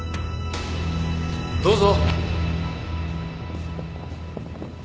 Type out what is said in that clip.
どうぞ。